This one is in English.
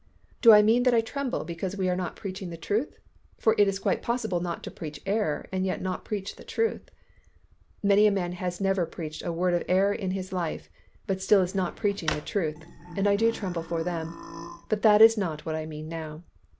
Do I mean that I tremble because we are not preaching the truth? for it is quite possible not to preach error and yet not preach the truth; many a man has never preached a word of error in his life, but still is not preaching the truth, and I do tremble for them; but that is not what I mean now.